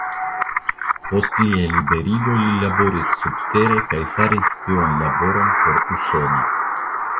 Post lia liberigo li laboris subtere kaj faris spionlaboron por Usono.